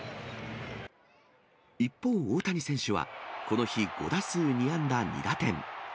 一方、大谷選手は、この日、５打数２安打２打点。